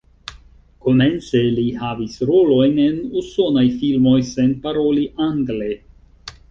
Komence li havis rolojn en usonaj filmoj sen paroli angle.